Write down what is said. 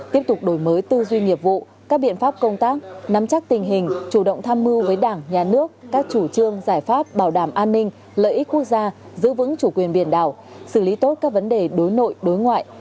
tiếp tục đổi mới tư duy nghiệp vụ các biện pháp công tác nắm chắc tình hình chủ động tham mưu với đảng nhà nước các chủ trương giải pháp bảo đảm an ninh lợi ích quốc gia giữ vững chủ quyền biển đảo xử lý tốt các vấn đề đối nội đối ngoại